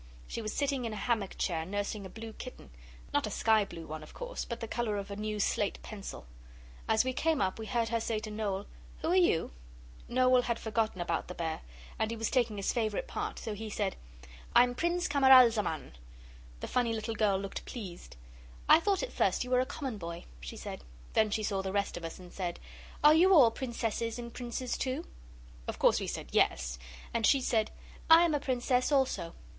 She was sitting in a hammock chair nursing a blue kitten not a sky blue one, of course, but the colour of a new slate pencil. As we came up we heard her say to Noel 'Who are you?' Noel had forgotten about the bear, and he was taking his favourite part, so he said 'I'm Prince Camaralzaman.' The funny little girl looked pleased 'I thought at first you were a common boy,' she said. Then she saw the rest of us and said 'Are you all Princesses and Princes too?' Of course we said 'Yes,' and she said 'I am a Princess also.